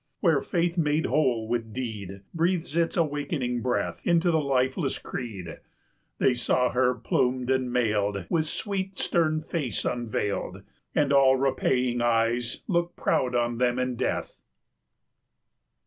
Where faith made whole with deed 60 Breathes its awakening breath Into the lifeless creed, They saw her plumed and mailed, With sweet, stern face unveiled, And all repaying eyes, look proud on them in death.